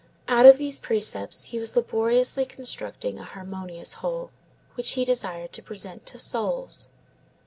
Out of these precepts he was laboriously constructing a harmonious whole, which he desired to present to souls.